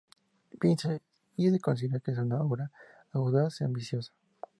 Vincent, y considera que es una obra "audaz y ambiciosa".